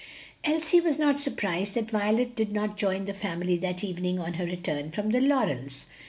Elsie was not surprised that Violet did not join the family that evening on her return from the Laurels.